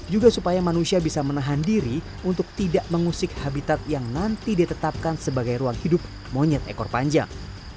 juga supaya manusia bisa menahan diri untuk tidak mengusik habitat yang nanti ditetapkan sebagai ruang hidup monyet ekor panjang